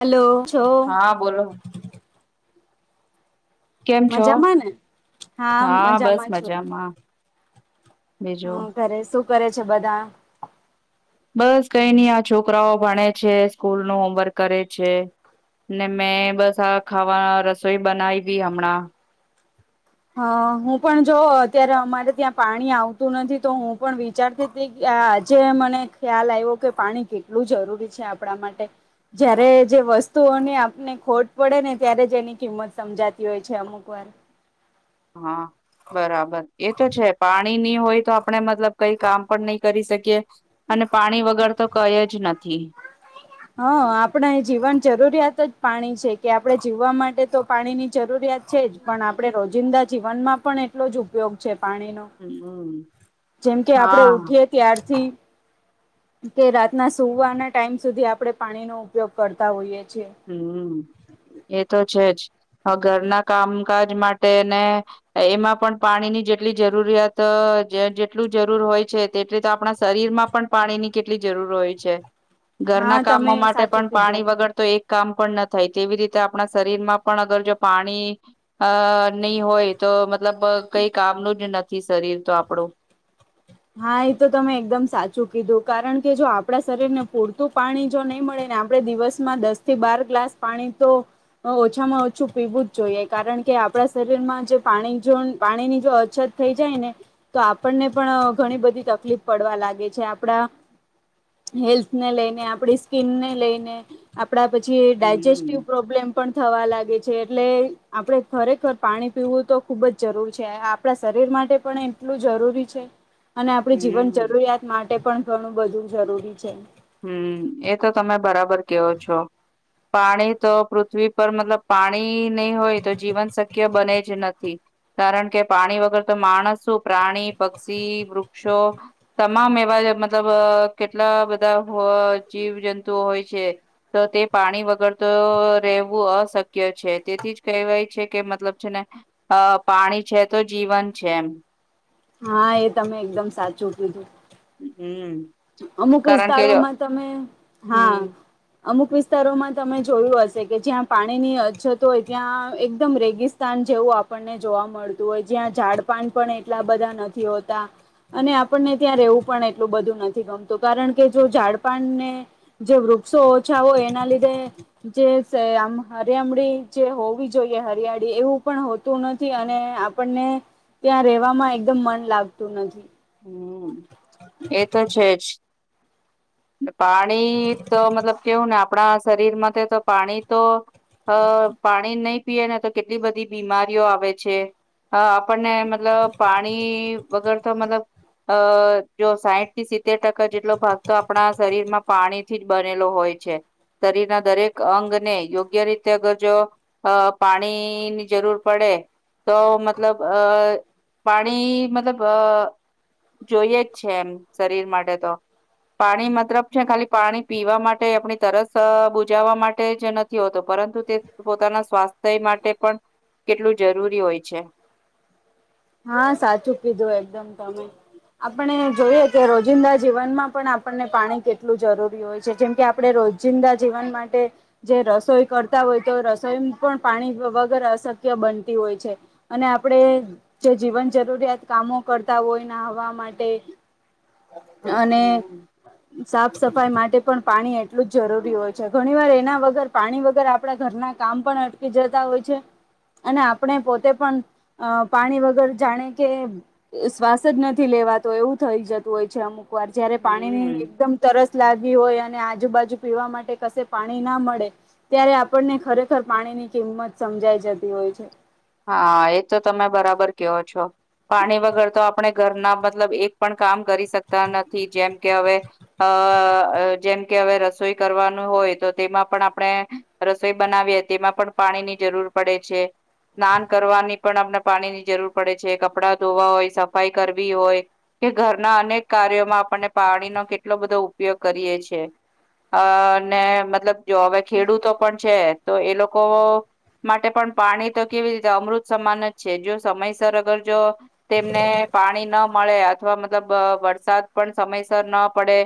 Hello છો. હા બોલો કેમ છો મજામાં ને હા બસ મજામાં. બીજો હમ કરે શું કરે છે, બધા. બસ કઈ નહી આ છોકરાઓ ભણે છે, સ્કૂલનું હોમવર્ક કરે છે. ને મેં બસ આ ખાવા રસોઈ બનાવી હમણાં. હ હું પણ જો અત્યારે અમારે ત્યાં પાણી આવતું નથી તો હું પણ વિચારતી આજે મને ખ્યાલ આવ્યો કે પાણી કેટલું જરૂરી છે, આપણા માટે જયારે જે વસ્તુઓની આપને ખોટ પડે ને ત્યારે જ એની કિંમત સમજાતી હોય છે, અમુક વાર [inaudible] હા. બરાબર એ તો છે, પાણીની હોય તો આપણે મતલબ કઈ કામ પણ નહી કરી શકીએ. અને પાણી વગર તો કઈ જ નથી હ આપણે જીવન જરૂરિયાત જ પાણી છે, કે આપણે જીવવા માટે તો પાણીની જરૂરિયાત છે, જ પણ આપણે રોજ જિંદા જીવનમાં પણ એટલો જ ઉપયોગ છે. પાણીનો હમ હમ. જેમ કે આપડે હા ઉઠીએ ત્યારથી કે રાતના સુવાના ટાઈમ સુધી આપણે પાણીનો ઉપયોગ કરતા હોઈએ છીએ હમ એ તો છે, જ હ ઘરના કામકાજ માટે ને એમાં પણ પાણીની જેટલી જરૂરિયાત અ જેટલું જરૂર હોય છે, તેટલી તો આપણા શરીરમાં પણ પાણી ની કેટલી જરૂર હોય છે. હા ઘરના તમે કામો માટે સાચું પણ કીધું પાણી વગરતો એ કામ પણ ન થાય તેવી રીતે આપણા શરીરમાં પણ અગર જો પાણી અ નહી હોય તો મ તલબ કઈ કામનું જ નથી શરીરતો આપણું હા એ તો તમે એકદમ સાચું કીધું કારણ કે જો આપડા શરીરને પૂરતું પાણી જો નહીં મળે આપણે દિવસમાં દસ થી બાર ગ્લાસ પાણી તો ઓછામાં ઓછું પીવું જ જોઈએ કારણ કે આપણા શરીરમાં જે પાણી જોન પાણીની જો અછત થઈ જાય ને તો આપણને પણ ઘણી બધી તકલીફ પડવા લાગે છે, આપડા હેલ્થ ને લેઈને આપડી સ્કીિનને લેઈને આપડા પછી હમ ડાયજેસ્ટિવ પ્રોબ્લેમ પણ થવા લાગે છે, એટલે આપણે ખરેખર પાણી પીવું તો ખુબ જ જરૂર છે, આપણા શરીર માટે પણ એટલું જરૂરી છે. અને આપણી જીવન હમ જરૂરિયાત માટે પણ ઘણું બધું જરૂરી છે. હમ એ તો તમે બરાબર કેવો છો. પાણી તો પૃથ્વી પર મતલબ પાણી નહી હોય તો જીવન શક્ય બને જ નથી. કારણ કે પાણી વગર તો માણસું પ્રાણી પક્ષી વૃક્ષો તમામ એ [unintelligible] મતલબ કેટલા બ ધા હોય જીવ જંતુ હોય છે, તો તે પાણી વગર તો રહેવું અસ ક્ય છે, તેથી જ કહેવાય છે, કે મતલબ છે, ને અ પાણી છે, તો જીવન છે એમ હા એ તમે એકદમ સાચું કીધું [inaudible] અમુક કારણ કે વિસ્તારોમાં તમે હા હમ અમુક વિસ્તારોમાં તમે જોયું હશે કે જ્યાં પાણીની અછત હોય ત્યાં એકદમ રેગિસ્તાન જેવું આપણને જોવા મળતું હોય જ્યાં ઝાડપાન પણ એટલા બધા નથી હોતા અને આપ ને ત્યાં રહેવું પણ એટલું બધું ન થી ગમતું કારણ કે જો ઝાડપાનને જે વૃક્ષો ઓછા હોય એના લીધે જે આમ હરિયામડી જે હોવી જોઈએ હરિયાળી એવું પણ હોતું નથી અને આપણ ને ત્યાં રેવામાં એકદમ મન લાગતું નથી. હમ એ તો છે, જ પાણી તો મતલબ કેવું ને આપણા શરીર માટે તો પાણી તો અ પાણી નહી પીએ ને તો કેટલી બધી બીમારીઓ આવે છે, અ આપને મતલબ પાણી વગર તો મતલબ અ જો સાઈતથી સિત્તેર ટકા જેટલો ભાગ તો આપણા શરીરમાં પાણી થી જ બનેલો હોય છે. શરીરના દરેક અંગને યોગ્ય રીતે અગર જો અ પાણીની જરૂર પડે તો મતલબ અ પાણી મતલબ અ જોઈએ જ છે એમ શરીર માટે તો પાણી મતલબ છે ખાલી પાણી પીવા માટે આપણી તરસ બુજાવા માટે જ નથી હોતો પરંતુ તે પોતાના સ્વાસ્થ્ય માટે પણ કેટલું જરૂરી હોય છે. હા સાચું કીધું એકદમ તમે. આપણે જોઈએ કે રોજિંદા જીવનમાં પણ આપણને પાણી કેટલું જરૂરી હોય છે, જેમ કે આપડે રો જિંદા જીવન માટે જે રસોઈ કરતા હોય તો રસોઈ પણ પાણી વગર અસ ક્ય બનતી હોય છે અને આપડે જે જીવન જરૂરિયાત કામો કરતા હોય નાહવા માટે અને હમ સાફ સફાઈ માટે પણ પાણી એટલું જ જરૂરી હોય છે, ઘણી વાર એના વગર પાણી વગર આપણા ઘરના કામ પણ ટકી જતા હોય છે, અને આપણે પોતે પણ પાણી વગર જાણે કે શ્વાસ જ નથી લેવાતો એવું થઈ જતું હોય છે, અમુક વાર જયારે પાણી હમ ની એકદમ તરસ લાગી હોય અ ને આજુબાજુ પીવા માટે કસે પાણી ના મળે ત્યારે આપણને ખરેખર પાણી ની કિંમત સમજાઈ જતી હોય છે. હા એ તો તમે બરાબર કેવો છો. પાણી વગર તો આપણે ઘરના મતલબ એક પણ કામ કરી શકતા નથી જેમ કે હવે અ જેમ કે હવે રસોઈ કરવાનું હોય તો તેમાં પણ આપણે રસોઈ બનાવી હતી તેમાં પણ પાણી ની જરૂર પડે છે. સ્નાન કરવાની પણ આપને પાણીની જરૂર પડે છે, કપડા ધોવા હોય, સફાઈ કરવી હોય કે ઘરના અનેક કાર્યોમાં આપને પાણીનો કેટલો બધો ઉપયોગ કરીએ છે. અને મતલબ જો હવે ખેડૂતો પણ છે, તો એ લોકો માટે પણ પાણી તો કેવી રીતે અમૃત સમાન જ છે, જો સમયસર અગર જો તેમને પાણી ના મળે અથવા મતલબ વરસાદ પણ સમયસર ન પડે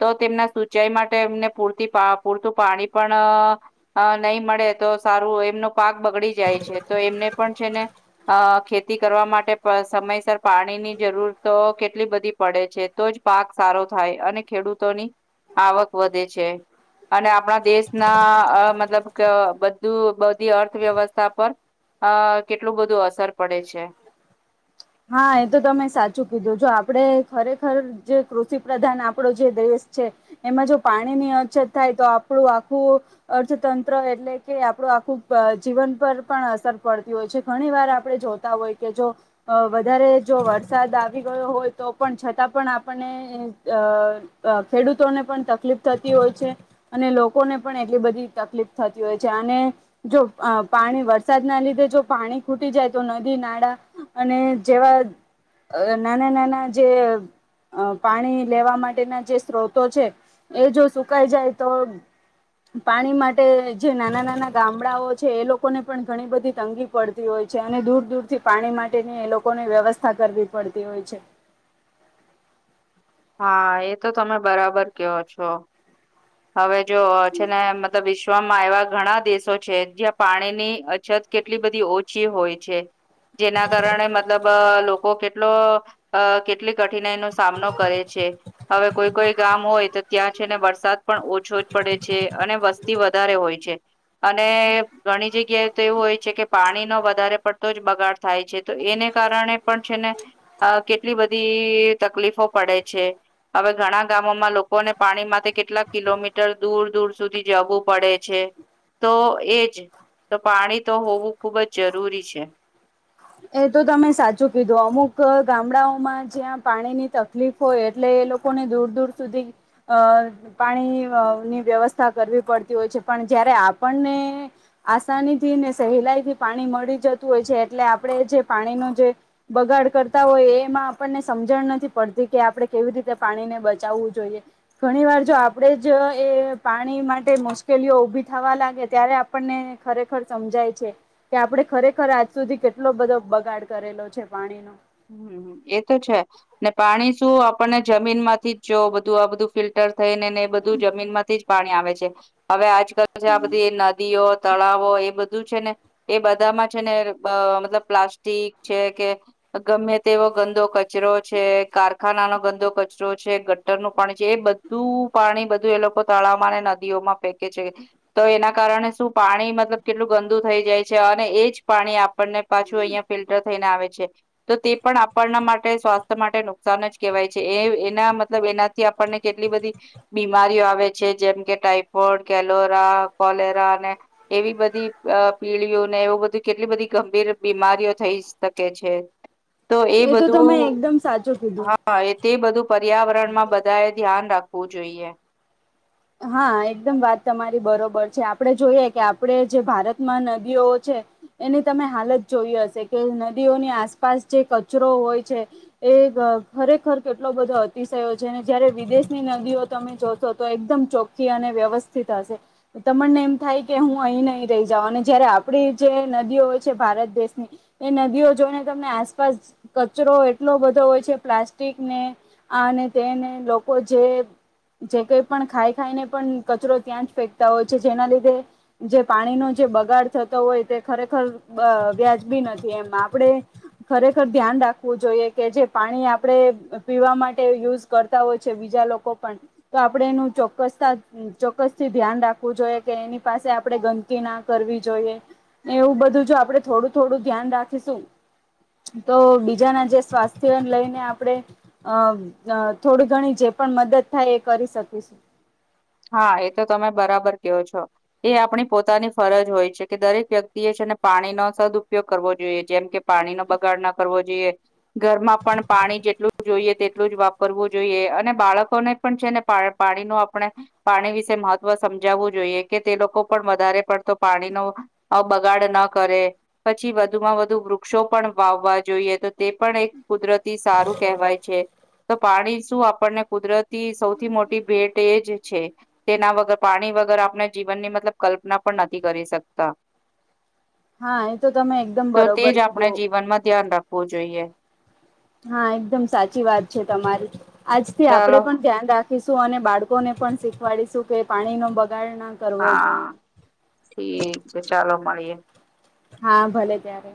તો તેમના સિંચાઈ માટે એમને પૂરતી પૂરતું પાણી પણ નહીં મળે. તો સારું એમનો પાક બગડી જાય છે, તો એમને પણ છે ને અ ખેતી કરવા માટે સમયસર પાણી ની જરૂર તો કેટલી બધી પડે છે, તો જ પાક સારો થાય અને ખેડૂતોની આવક વધે છે. અને આપણા દેશના અ મતલબ કે બધું બધી અર્થવ્યવસ્ તા પર અ કેટલું બધું અસર પડે છે. હા એ તો તમે સાચું કીધું જો આપડે ખરેખર જે કૃષિ પ્રધાન આપડો જે દેશ છે, એમાં જો પાણી ની અછત થાય તો આપણું આખું અર્થતંત્ર એટલે કે આપણું આખું જીવન પર પણ અસર પડતી હોય છે, ઘણી વાર આપણે જોતા હોય કે જો અ વધારે જો વરસાદ આવી ગયો હોય તો પણ છતાં પણ આપણને અ અ ખેડૂતોને પણ તકલીફ થતી હોય છે, અને લોકોને પણ એટલી બધી તકલીફ થતી હોય છે, આ અને જો પાણી વરસાદ ના લીધે જો પાણી ખૂટી જાય તો નદી નાળા અને જેવા નાના નાના જે અ પાણી લેવા માટેના જે સ્ત્રોતો છે, એ જો સુકાઈ જાય તો પાણી માટે જે નાના નાના ગામડાઓ છે, એ લોકોને પણ ઘણી બધી તંગી પડતી હોય. છે અને દૂર દૂરથી પાણી માટે ની લોકોની વ્યવસ્થા કરવી પડતી હોય છે. હા એ તો તમે બરાબર કયો છો હવે જો છે ને મતલબ વિ શ્માં એવા ઘણા દેશો છે, જ્યાં પાણી ની અછત કેટલી બધી ઓછી હોય છે. જેના કારણે મતલબ અ લો કો કેટલો કેટલી કઠિનાઈ નો સામનો કરે છે, હવે કોઈ કોઈ ગામ હોય તો ત્યાં છે ને વરસાદ પણ ઓછો જ પડે છે, અને વસ્તી વધારે હોય છે. અને ઘણી જગ્યાએ તો એવું હોય છે કે પાણીનો વધારે પડતો જ બગાડ થાય છે, તો એને કારણે પણ છેને કેટલી બધી તકલીફો પડે છે હવે ઘણા ગામોમાં લોકોને પાણી માંથી કેટલાક કિલોમીટર દૂર દૂર સુધી જવું પડે છે.. તો એજ તો પાણી તો હોવું ખૂબ જ જરૂરી છે. એ તો તમે સાચું કીધું અમુક ગામડાઓમાં જ્યાં પાણી ની તકલીફ હોય એટલે લોકોને દૂર દૂર સુધી અ પાણી ની વ્યવસ્થા કરવી પડતી હોય છે પણ જયારે આપણને આસાની થી ને સહેલાઈ થી પાણી મળી જતું હોય છે એટલે આપ આપણે જે પાણીનો જે બગાડ કરતા હોય એમાં આપણને સમજણ નથી પડતી કે આપડણે કેવી રીતે પાણીને બચાવવું જોઈએ ઘણી વાર જો આપણેે જ એ પાણી માટે મુશ્કેલીઓ ઉભી થવા લાગે ત્યારે આપને ખરેખર સમજાય છે કે આપણે ખરેખર આજ સુધી કેટ એટલો બધો બગાડ કરેલો છે પાણીનો હમ્મ એ તો છે ને પાણી શું આપણને જમીન માંથી જ જો બધું આ બધું ફિલ્ટર થઈને ને બધું જમીન માંથી જ પાણી આવે છે હવે આજ આ બધી નદીઓ, તળાવો એ બધુ છે ને એ બધામાં છે ને બ મતલબ પ્લાસ્ટિક છે કે ગમે તેવો ગંદો કચરો છે, કારખાના નો ગંદો કચરો છે, ગટ્ટર નું પાણી છે, એ બધ બધું પાણી બધું એ લોકો તળાવમાં અને નદીઓમાં ફેંકે છે તો એના કારણે શું પાણી મતલબ કેટલું ગંદુ થઈ જાય છે અને એજ પાણી આપણને પાછું અહિયાં ફિલ્ટર થઈને આવે છે. તો તે પણ આપણના માટે સ્વાસ્થ્ય માટે નુકસાન જ કહેવાય છે એ એના મતલબ એનાથી આપણને કેટલી બધી બીમારીઓ આવે છે જેમ કે ટાઈફોઇડ, કેલોરા, કોલેરા અને એવી કેટલી બધી પીળીઓ ને એવું બધી કેટલી બધી ગંભીર બીમારીઓ થઈ શકે છે. તો એ તો તમે બધું.. એકદમ સાચું કીધું હા એ જ તો તે બધું પર્યાવરણમાં બધાએ ધ્યાન રાખવું જોઈએ. હા એકદમ વાત તમારી બરોબર છે, આપણે જોઈએ કે આપણે જે ભારતમાં નદીઓ છે એની તમે હાલત જોઈ હશે કે નદીઓની આસપાસ જે કચરો હોય છે એ એ ખરેખર કેટલો બધો અતિશયો છે અને જયારે વિદેશની નદીઓ તમે જોશો તો એકદમ ચોખ્ખી અને વ્યવસ્થિત હશે તમને એમ થાય કે હું અહી નહી રહી જાઉ અને જયારે આપડી જે નદીઓ હોય છે, ભારત દેશની એ નદીઓ જોઈને તમને આસપાસ કચરો એટલો બધો હોય છે, પ્લાસ્ટિકને આને તેને લોકો જે જે કઈ પણ ખાય ખાઈને પણ કચરો ત્યાં જ ફેંકતા હોય છે જેના લીધે જે પાણીનો જે બગાડ થતો હોય તે ખરેખર અ વ્યાજબી નથી એ આપણે ખરેખર ધ્યાન રાખવું જોઈએ કે જે પાણી આપડે પીવા માટે યુઝ કરતા હોય છે બીજા લોકો પણ આપણેે એનુ ચ ચોક્કસતા ચોક્કસ થી ધ્યાન રાખવું જોઈએ કે એની પાસે આપણે ગંદકીના કરવી જોઈએ. ને એવું બધું જો આપડે થોડું થોડું ધ્યાન રાખીશું. તો બીજાના જે સ્વાસ્થ્યને લઈને આપણે અ થોડી ઘણી જે પણ મદદ થાય એ કરી શકીશું. હા એ તો તમે બરાબર ક્યો છો એ આપણી પોતાની ફરજ હોય છે કે દરેક વ્યક્તિ એ પાણી નો સદપયોગ કરવો જોઈએ જેમ કે પાણીનો બગાડ ના કરવો જોઈએ ઘરમાં પણ પા પાણી જેટલું જોઈએ તેટલું જ વાપરવું જોઈએ અને બાળકોને પણ છે ને પા પાણી નો આપણે પાણી વિશે મહત્વ સમજાવવું જોઈએ કે તે લોકો પણ વધારે પડતો પાણીનો અ બગાડ ના ન કરે પછી વધુમાં વધુ વૃક્ષો પણ વાવવા જોઈએ તો તે પણ એક કુદરતી સા સારું કહેવાય છે તો પાણી શું આપણને કુદરતી સૌથી મોટી ભેટ એ જ છે તેના વગર પાણી વગર આપણે જીવનની મતલબ કલ્પના પણ નથી કરી શકતા. હા એ તો તમે એકદમ બરોબર કીધું. હોવો જોઈએ હા એકદમ સાચી વાત છે તમારી આજથી આપડે ચાલો પણ ધ્યાન રાખીશું શું અને બાળકોને પણ શીખવાડીશું કે પાણીનો બગ હા ઠીક છે ચાલો મળીએે. હા ભલે ત્યારે